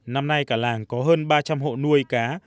năm nay cả làng có hơn ba trăm linh hộ nuôi cá